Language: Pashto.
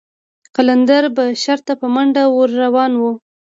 قلندر به شر ته په منډه ور روان و.